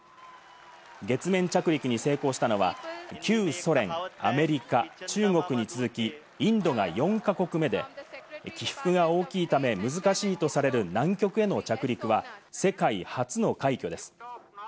月面着陸に成功したのは旧ソ連、アメリカ、中国に続き、インドが４か国目で、起伏が大きいため難しいとされる南極への着陸は世界初の快挙です。